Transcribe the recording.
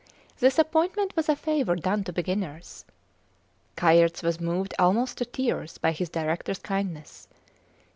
This appointment was a favour done to beginners. Kayerts was moved almost to tears by his directors kindness.